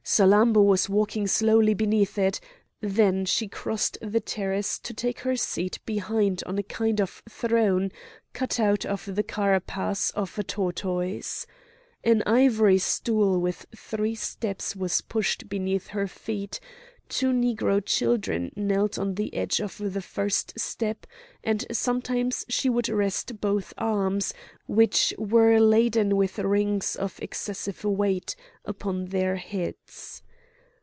Salammbô was walking slowly beneath it; then she crossed the terrace to take her seat behind on a kind of throne cut out of the carapace of a tortoise. An ivory stool with three steps was pushed beneath her feet; two Negro children knelt on the edge of the first step, and sometimes she would rest both arms, which were laden with rings of excessive weight, upon their heads.